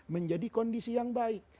menjadi kondisi yang baik